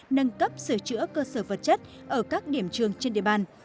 nâng cấp sửa chữa cơ sở vật chất ở các điểm trường trên địa bàn